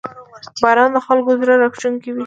• باران د خلکو زړه راښکونکی وي.